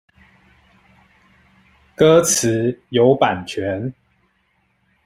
歌詞有版權